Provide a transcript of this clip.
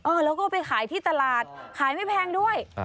แล้วก็ไปขายที่ตลาดขายไม่แพงด้วย